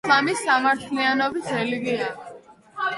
ისლამი სამართლიანობის რელიგიაა.